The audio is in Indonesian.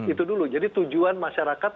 itu dulu jadi tujuan masyarakat